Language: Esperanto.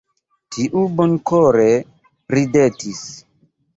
Tiu bonkore ridetis.